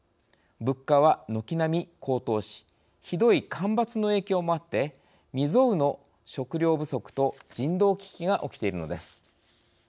物価は軒並み高騰しひどい干ばつの影響もあって未曽有の食糧不足と人道危機が起きているのです。